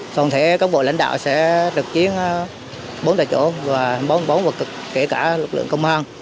còn thế các bộ lãnh đạo sẽ lực chiến bốn tại chỗ và bốn mươi bốn và kể cả lực lượng công an